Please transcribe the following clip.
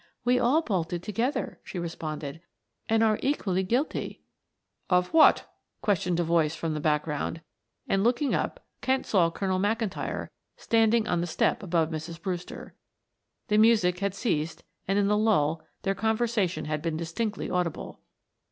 "We all bolted together," she responded, "and are equally guilty " "Of what?" questioned a voice from the background, and looking up Kent saw Colonel McIntyre standing on the step above Mrs. Brewster. The music had ceased and in the lull their conversation had been distinctly audible.